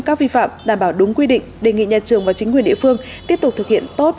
các vi phạm đảm bảo đúng quy định đề nghị nhà trường và chính quyền địa phương tiếp tục thực hiện tốt